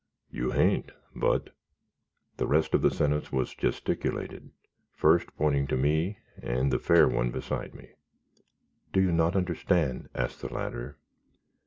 "You hain't; but " The rest of the sentence was gesticulated, first pointing to me and the fair one beside me. "Do you not understand?" asked the latter.